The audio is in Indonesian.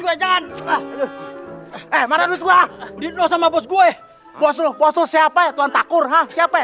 gue jangan eh mana duit gua di rumah bos gue bos lo bos lo siapa ya tuan takur ha siapa